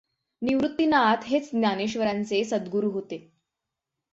निवृत्तीनाथ हेच ज्ञानेश्वरांचे सद्गुरू होते.